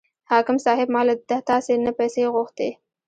حاکم صاحب ما له تاسې نه پیسې غوښتې.